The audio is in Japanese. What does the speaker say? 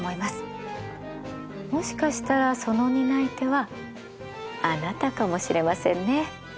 もしかしたらその担い手はあなたかもしれませんね。